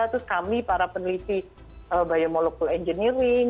terus kami para peneliti biomolekule engineering